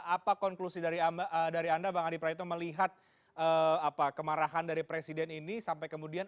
apa konklusi dari anda bang adi praetno melihat kemarahan dari presiden ini sampai kemudian